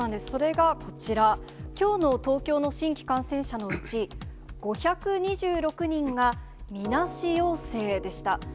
それがこちら、きょうの東京の新規感染者のうち、５２６人がみなし陽性でした。